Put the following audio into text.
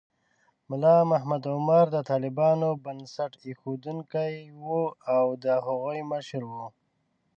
ملا محمد عمر د طالبانو بنسټ ایښودونکی و او د هغوی مشر و.